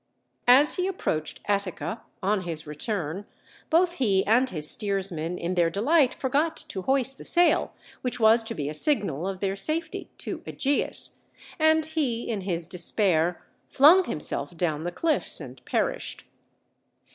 As he approached Attica, on his return, both he and his steersman in their delight forgot to hoist the sail which was to be a signal of their safety to Ægeus; and he in his despair flung himself down the cliffs and perished.